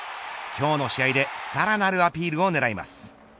今日の試合でさらなるアピールを狙います。